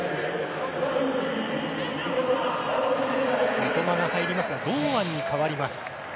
三笘が入りますが堂安に代わります。